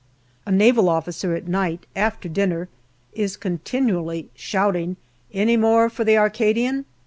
A Naval officer at night, after dinner, is continually shouting " Any more for the Arcadian